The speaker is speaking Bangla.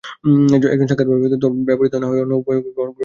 এইজন্য সাক্ষাৎভাবে তরবারি ব্যবহৃত না হইলেও অন্য উপায় গ্রহণ করা হইয়া থাকে।